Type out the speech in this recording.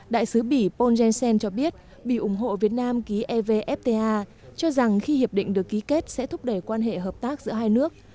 đại sứ bỉ polyensen cho biết bỉ ủng hộ việt nam ký evfta cho rằng khi hiệp định được ký kết sẽ thúc đẩy quan hệ hợp tác giữa hai nước